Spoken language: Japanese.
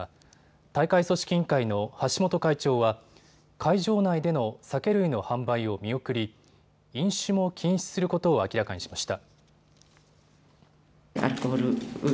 大会組織委員会の橋本会長は会場内での酒類の販売を見送り飲酒も禁止することを明らかにしました。